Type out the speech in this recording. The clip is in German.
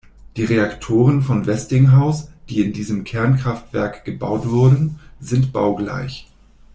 Die Reaktoren von Westinghouse, die in diesem Kernkraftwerk gebaut wurden, sind baugleich.